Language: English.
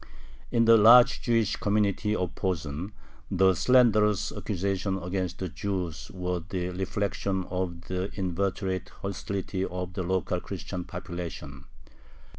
In the large Jewish community of Posen, the slanderous accusations against the Jews were the reflection of the inveterate hostility of the local Christian population.